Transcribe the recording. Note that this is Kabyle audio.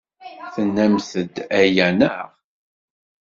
Tennamt-d aya, naɣ?